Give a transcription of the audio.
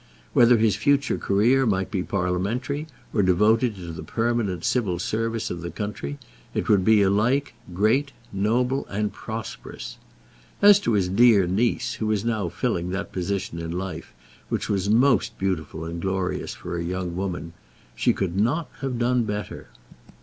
Whether his future career might be parliamentary, or devoted to the permanent Civil Service of the country, it would be alike great, noble, and prosperous. As to his dear niece, who was now filling that position in life which was most beautiful and glorious for a young woman, she could not have done better.